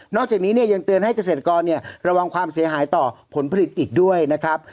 จากนี้เนี่ยยังเตือนให้เกษตรกรระวังความเสียหายต่อผลผลิตอีกด้วยนะครับ